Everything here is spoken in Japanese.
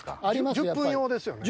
１０分用ですよね。